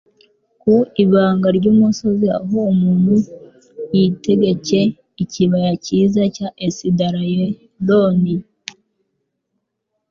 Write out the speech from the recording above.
ku ibanga ry'umusozi aho umuntu yitegcye ikibaya cyiza cya Esidarayeroni